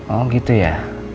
oh gitu ya